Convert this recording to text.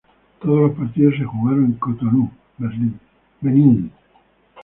Todos los partidos se jugaron en Cotonú, Benín.